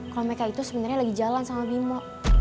kalau mereka itu sebenarnya lagi jalan sama bimo